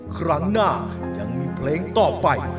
ครั้งหน้ายังมีเพลงต่อไป